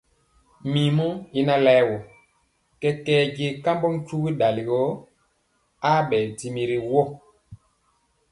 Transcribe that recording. Mirmɔ y na laɛ wɔ, kɛkɛɛ je kambɔ tyugi dali gɔ abɛɛ dimi ri woo.